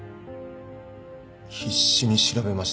必死に調べましたよ。